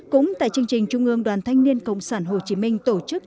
cũng tại chương trình trung ương đoàn thanh niên cộng sản hồ chí minh tổ chức